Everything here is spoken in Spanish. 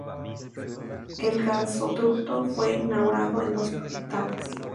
El gasoducto fue inaugurado en dos etapas.